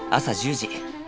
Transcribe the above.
朝１０時。